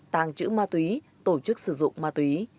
tàng trữ ma túy tổ chức sử dụng ma túy